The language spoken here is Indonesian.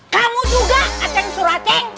kamu juga ateng surateng